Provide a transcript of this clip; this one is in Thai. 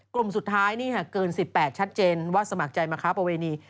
กลุ่มสุดท้ายนี่หากเกิน๑๘ชัดเจนว่าสมัครใจมาค้าประเวณี